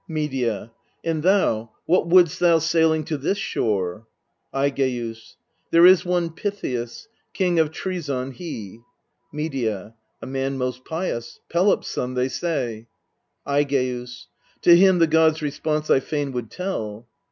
Medea. And thou, what wouldst thou sailing to this shore ? Aigeus. There is one Pittheus, King of Trcezen he Medea. A man most pious, Pelops' son, they say. Aigeus. To him the god's response I fain would tell.